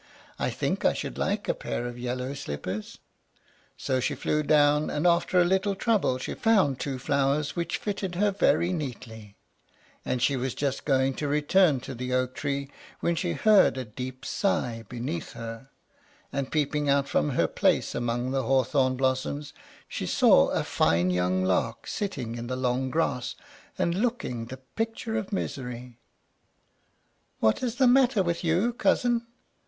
I think I should like a pair of yellow slippers." So she flew down, and, after a little trouble, she found two flowers which fitted her very neatly, and she was just going to return to the oak tree, when she heard a deep sigh beneath her, and, peeping out from her place among the hawthorn blossoms, she saw a fine young Lark sitting in the long grass, and looking the picture of misery. "What is the matter with you, cousin?"